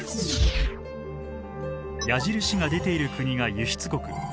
矢印が出ている国が輸出国。